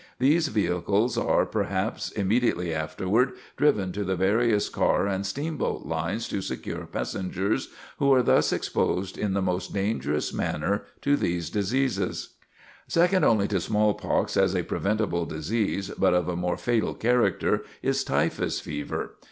These vehicles are, perhaps, immediately afterward driven to the various car and steamboat lines to secure passengers, who are thus exposed in the most dangerous manner to these diseases." [Sidenote: Typhus Fever] Second only to smallpox as a preventable disease, but of a more fatal character, is typhus fever.